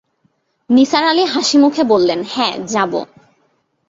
নিসার আলি হাসিমুখে বললেন, হ্যাঁ, যাব।